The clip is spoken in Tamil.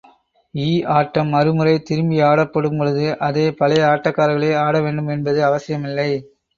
ஈ ஆட்டம் மறுமுறை திரும்பி ஆடப்படும் பொழுது, அதே பழைய ஆட்டக்காரர்களே ஆட வேண்டும் என்பது அவசியமில்லை.